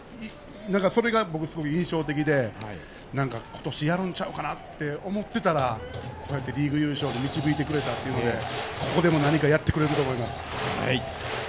それがすごく印象的で今年やるんちゃうかなお持ってたらこうやってリーグ優勝に導いてくれたというので、ここでも何かやってくれると思います。